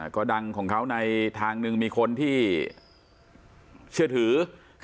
ก็ดังของเขาในทางหนึ่งมีคนที่เชื่อถือ